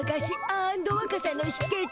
アンドわかさのひけつ！